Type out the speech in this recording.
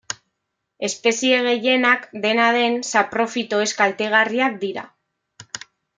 Espezie gehienak, dena den, saprofito ez-kaltegarriak dira.